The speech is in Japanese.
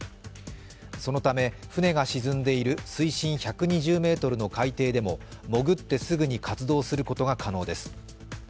そのため、船が沈んでいる水深１２０ｍの海底でも潜ってすぐに活動することが可能です。